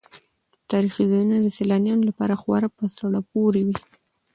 تاریخي ځایونه د سیلانیانو لپاره خورا په زړه پورې وي.